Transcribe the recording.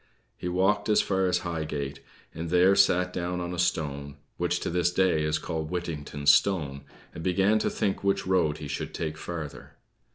He walked as far as Highgate, and there sat down on a stone, which to this day is called Whittington's stone, and began to think which road he should take farther.